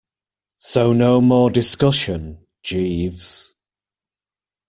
So no more discussion, Jeeves.